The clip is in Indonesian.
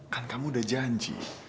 kan kamu udah janji